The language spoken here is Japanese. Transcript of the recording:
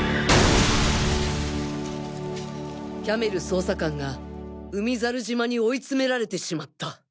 キャメル捜査官が海猿島に追い詰められてしまった